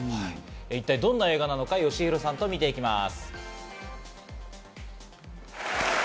一体どんな映画なのか、よしひろさんと見ていきます。